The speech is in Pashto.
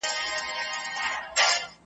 د زلمي ساقي له لاسه جام پر مځکه پرېوتلی .